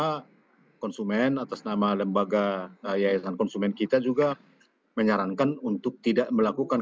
karena konsumen atas nama lembaga yayasan konsumen kita juga menyarankan untuk tidak melakukan